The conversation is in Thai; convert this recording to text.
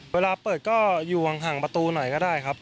เวลาเปิดก็อยู่ห่างประตูหน่อยก็ได้ครับ